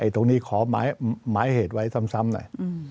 ตรงนี้ขอหมายเหตุไว้ซ้ำหน่อย